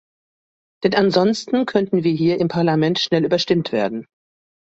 Denn ansonsten könnten wir hier im Parlament schnell überstimmt werden.